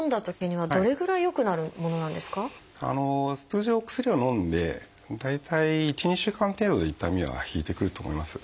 通常お薬をのんで大体１２週間程度で痛みは引いてくると思います。